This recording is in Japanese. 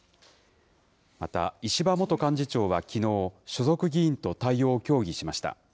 また、石破元幹事長はきのう、所属議員と対応を協議しました。